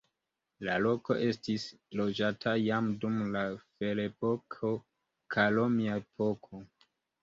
La loko estis loĝata jam dum la ferepoko kaj romia epoko.